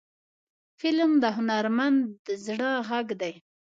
فلم د هنرمند زړه غږ دی